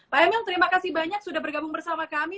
pak emil terima kasih banyak sudah bergabung bersama kami